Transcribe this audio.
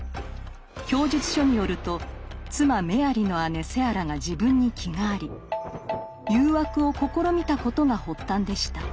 供述書によると妻メアリの姉セアラが自分に気があり誘惑を試みたことが発端でした。